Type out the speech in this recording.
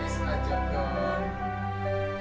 mas faiz ajak dong